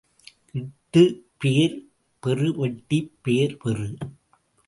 இட்டுப் பேர் பெறு வெட்டிப் பேர் பெறு.